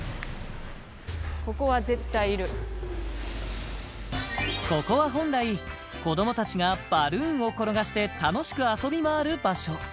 ここは絶対いるここは本来子ども達がバルーンを転がして楽しく遊び回る場所